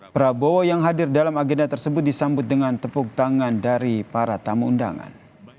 prabowo yang hadir dalam agenda tersebut disambut dengan tepuk tangan dari para tamu undangan